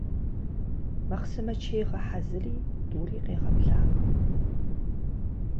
Махъсымэ чей гъэхьэзыри, тӏури къегъэблагъэ.